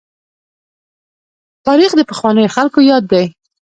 تاريخ د پخوانیو خلکو ياد دی.